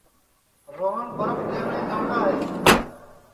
روہن برپھ لئوٹؔے گئوڑا ہے